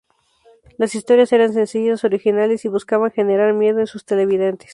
Las historias eran sencillas, originales y buscaban generar miedo en sus televidentes.